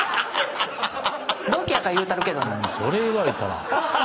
それ言われたら。